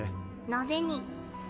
なぜに？